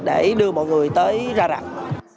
để đưa mọi người tới ra rạng